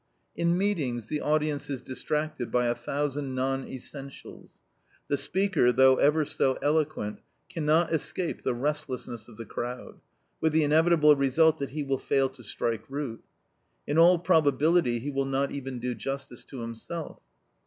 In meetings the audience is distracted by a thousand non essentials. The speaker, though ever so eloquent, cannot escape the restlessness of the crowd, with the inevitable result that he will fail to strike root. In all probability he will not even do justice to himself.